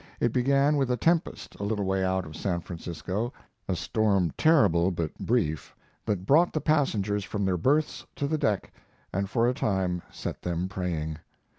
It began with a tempest a little way out of San Francisco a storm terrible but brief, that brought the passengers from their berths to the deck, and for a time set them praying.